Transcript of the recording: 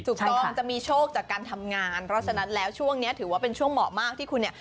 ถูกต้องจะมีโชคจากการทำงานเพราะฉะนั้นแล้วช่วงนี้ถือว่าเป็นช่วงเหมาะมากที่คุณเนี่ย